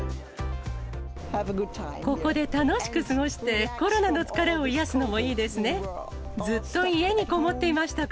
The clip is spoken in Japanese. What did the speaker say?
ここで楽しく過ごして、コロナの疲れを癒やすのもいいですね。